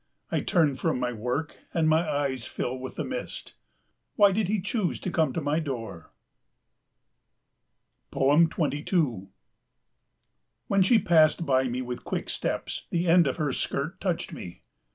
I turn from my work and my eyes fill with the mist. Why did he choose to come to my door? 22 When she passed by me with quick steps, the end of her skirt touched me.